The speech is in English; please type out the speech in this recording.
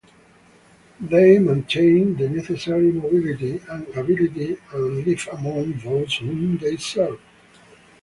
They maintained the necessary mobility and availability and lived among those whom they served.